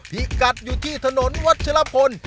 พิกัดอยู่ที่ถนนวัชลพล